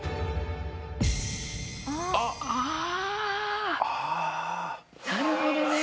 ああなるほどね。